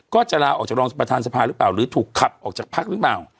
ก็จะลาออกจากรองประธานสภาหรือเปล่าหรือถูกขับออกจากพักหรือเปล่า